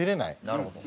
なるほど。